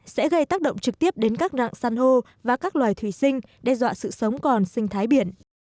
sẽ gây tác động trực tiếp đến các nạn san hô và các loài thủy sinh đe dọa sự sống còn sinh thái biển